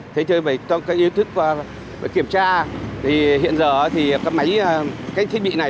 thế chứ về các yếu tố kiểm tra hiện giờ thì các máy các thiết bị này